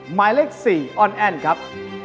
หมายเลข๔อ้อนแอ้นครับ